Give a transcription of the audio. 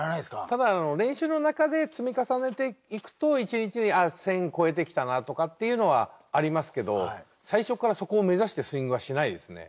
ただ練習の中で積み重ねていくと１日に１０００超えてきたなとかっていうのはありますけど最初からそこを目指してスイングはしないですね。